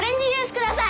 ください！